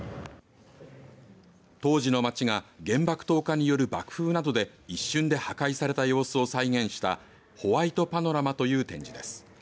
当時の街が原爆投下による爆風などで一瞬で破壊された様子を再現したホワイトパノラマという展示です。